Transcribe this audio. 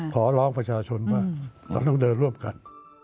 ขอร้องประชาชนว่าเราต้องเดินร่วมกัน